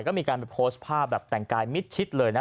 ก็มีการไปโพสต์ภาพแบบแต่งกายมิดชิดเลยนะ